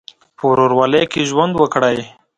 په ورورولۍ کې ژوند وکړئ.